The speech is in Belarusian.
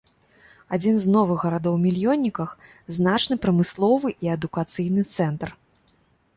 Адзін з новых гарадоў-мільённіках, значны прамысловы і адукацыйны цэнтр.